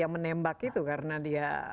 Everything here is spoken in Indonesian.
yang menembak itu karena dia